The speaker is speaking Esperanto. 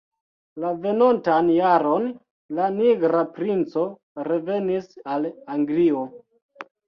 La venontan jaron, la Nigra Princo revenis al Anglio.